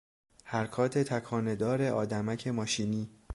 حرکات تکانه دار آدمک ماشینی